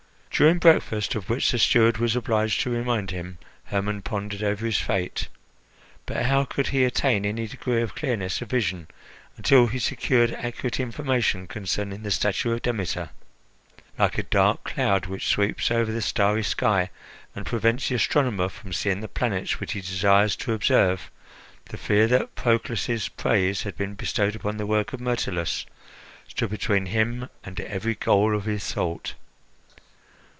During breakfast, of which the steward was obliged to remind him, Hermon pondered over his fate; but how could he attain any degree of clearness of vision until he secured accurate information concerning the statue of Demeter? Like a dark cloud, which sweeps over the starry sky and prevents the astronomer from seeing the planets which he desires to observe, the fear that Proclus's praise had been bestowed upon the work of Myrtilus stood between him and every goal of his thought.